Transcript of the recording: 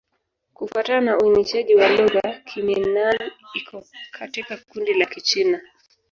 Kufuatana na uainishaji wa lugha, Kimin-Nan iko katika kundi la Kichina.